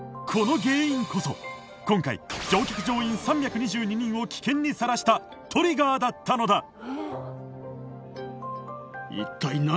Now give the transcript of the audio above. この原因こそ今回乗客乗員３２２人を危険にさらしたトリガーだったのだ